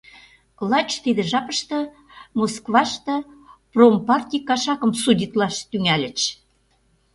Лач тиде жапыште Москваште промпартий кашакым судитлаш тӱҥальыч.